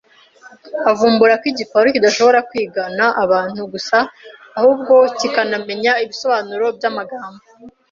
avumbura ko igiparu kidashobora kwigana abantu gusa ahubwo kikanamenya ibisobanuro byamagambo.